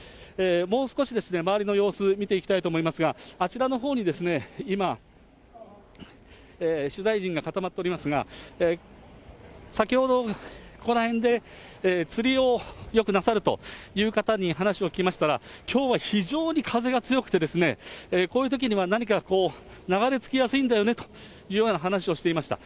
もう少しですね、周りの様子、見ていきたいと思いますが、あちらのほうに今、取材陣が固まっておりますが、先ほど、ここら辺で釣りをよくなさるという方に話を聞きましたら、きょうは非常に風が強くて、こういうときには何かこう、流れ着きやすいんだよねというような話をしていました。